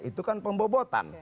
itu kan pembobotan